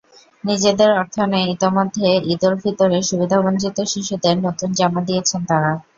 নিজেদের অর্থায়নে ইতিমধ্যে ঈদুল ফিতরে সুবিধাবঞ্চিত শিশুদের নতুন জামা দিয়েছেন তাঁরা।